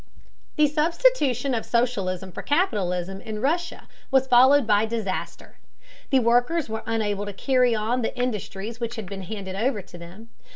The substitution of socialism for capitalism in Russia was followed by disaster. The workers were unable to carry on the industries which had been handed over to them.